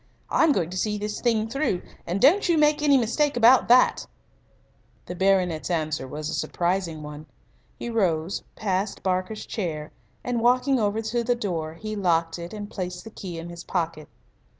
I'm going to see this thing through, and don't you make any mistake about that." The baronet's answer was a surprising one. He rose, passed Barker's chair, and, walking over to the door, he locked it and placed the key in his pocket.